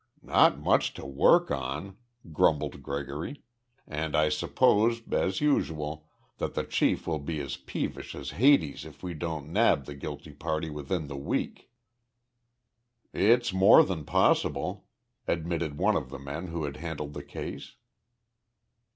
"Not much to work on," grumbled Gregory, "and I suppose, as usual, that the chief will be as peevish as Hades if we don't nab the guilty party within the week." "It's more than possible," admitted one of the men who had handled the case.